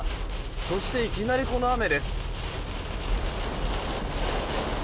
そして、いきなりこの雨です。